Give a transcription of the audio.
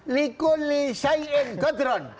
likun li syai'in gudron